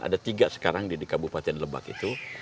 ada tiga sekarang di kabupaten lebak itu